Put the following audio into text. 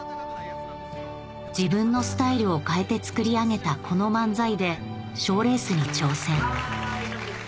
自分のスタイルを変えてつくり上げたこの漫才で賞レースに挑戦